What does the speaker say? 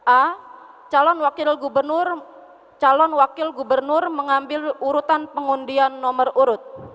a calon wakil gubernur mengambil urut pasangan calon gubernur dan pendukung pasangan calon gubernur